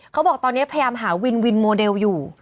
เขาบอกตอนนี้พยายามหาวินวินโมเดลอยู่